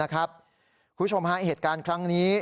คุณผู้ชมฮะเหตุการณ์ครั้งนี้